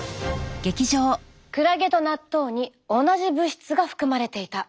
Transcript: クラゲと納豆に同じ物質が含まれていた。